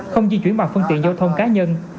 không di chuyển bằng phương tiện giao thông cá nhân